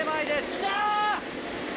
来た！